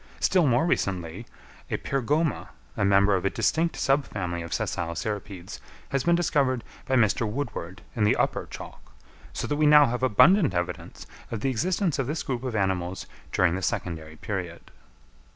Still more recently, a Pyrgoma, a member of a distinct subfamily of sessile cirripedes, has been discovered by Mr. Woodward in the upper chalk; so that we now have abundant evidence of the existence of this group of animals during the secondary period.